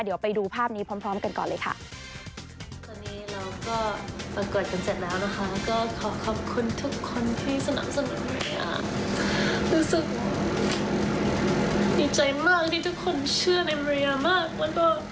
เดี๋ยวไปดูภาพนี้พร้อมกันก่อนเลยค่ะ